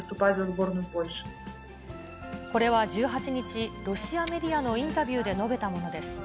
これは１８日、ロシアメディアのインタビューで述べたものです。